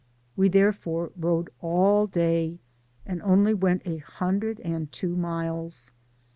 We therefore rode all day, and only went a hundred and two miles.